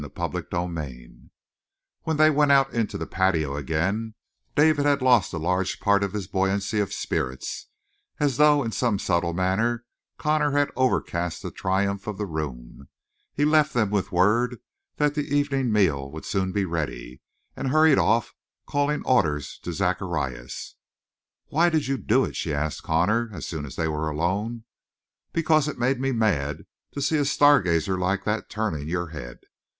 CHAPTER TWENTY FIVE When they went out into the patio again, David had lost a large part of his buoyancy of spirits, as though in some subtle manner Connor had overcast the triumph of the room; he left them with word that the evening meal would soon be ready and hurried off calling orders to Zacharias. "Why did you do it?" she asked Connor as soon as they were alone. "Because it made me mad to see a stargazer like that turning your head."